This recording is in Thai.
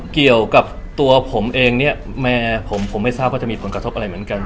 เกี่ยวกับตัวผมเองเนี่ยแม่ผมไม่ทราบว่าจะมีผลกระทบอะไรเหมือนกัน